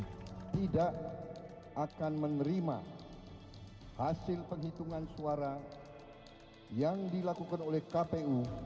saya tidak akan menerima hasil penghitungan suara yang dilakukan oleh kpu